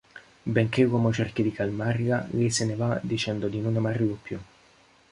Benché l'uomo cerchi di calmarla, lei se ne va dicendo di non amarlo più.